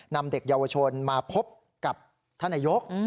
นำเด็กเยาวชนมาพบกับท่านนายก